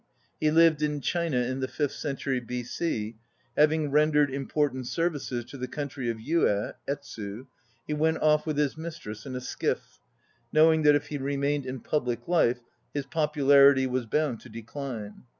He lived in China in the fifth century B. c. Having rendered important services to the country of Yueh (Etsu), he went off with his mistress in a skiff, knowing that if he remained in public life his popularity was bound to decline.